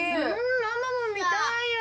ママも見たいよ！